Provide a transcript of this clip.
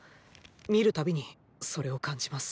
見るたびにそれを感じます。